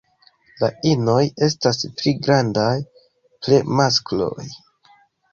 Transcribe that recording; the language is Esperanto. La inoj estas pli grandaj pl maskloj.